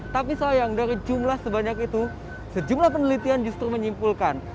tapi sayang dari jumlah sebanyak itu sejumlah penelitian justru menyimpulkan